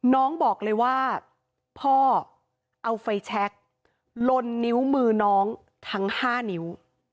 น้องบอกเลยว่าพ่อเอาไฟแช็คลนนิ้วมือน้องทั้ง๕นิ้ว